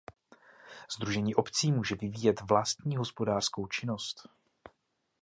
Sdružení obcí může vyvíjet vlastní hospodářskou činnost.